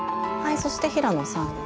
そして平野さんですね。